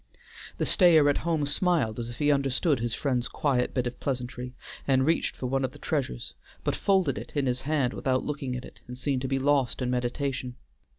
The stayer at home smiled as if he understood his friend's quiet bit of pleasantry, and reached for one of the treasures, but folded it in his hand without looking at it and seemed to be lost in meditation.